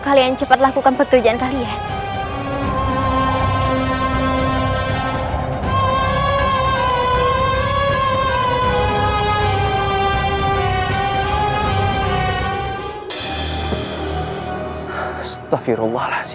kalian cepat lakukan pekerjaan kali ya astagfirullahaladzim